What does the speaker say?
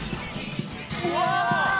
「うわ！」